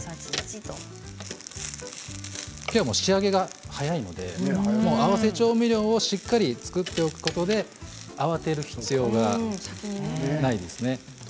きょうは仕上げが早いので合わせ調味料をしっかり作っておくことで慌てる必要がないですね。